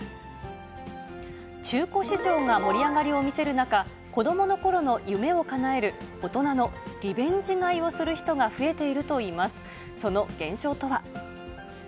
中古市場が盛り上がりを見せる中、子どものころの夢をかなえる、大人のリベンジ買いをする人が増えているといいます。